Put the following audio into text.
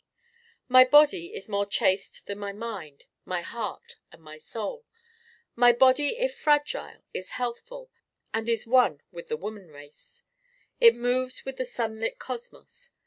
My Body is more chaste than my Mind, my Heart and my Soul. My Body if fragile is healthful, and is one with the woman race: it moves with the sunlit cosmos.